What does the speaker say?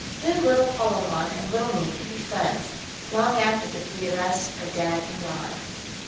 Then, Little Paula Von and Little Me could be friends, long after the three of us are dead and gone."